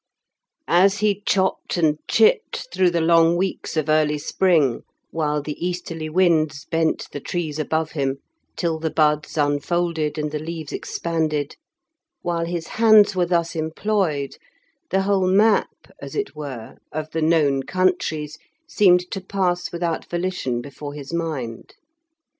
As he chopped and chipped through the long weeks of early spring, while the easterly winds bent the trees above him, till the buds unfolded and the leaves expanded while his hands were thus employed, the whole map, as it were, of the known countries seemed to pass without volition before his mind.